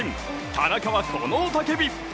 田中は、この雄たけび！